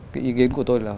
cái ý kiến của tôi là